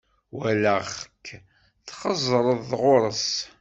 Walaɣ-k txeẓẓreḍ ɣur-s.